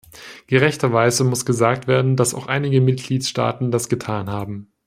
Gerechterweise muss gesagt werden, dass auch einige Mitgliedstaaten das getan haben.